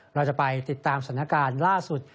เราจะไปติดตามสถานการณ์ล่าสุด